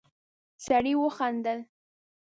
سړی وخندل.